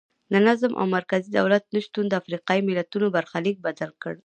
د نظم او مرکزي دولت نشتون د افریقایي ملتونو برخلیک بدل کړ.